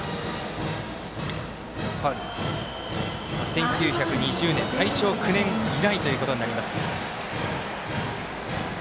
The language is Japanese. １９２０年、大正９年以来ということになります。